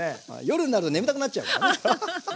夜になると眠たくなっちゃうからね。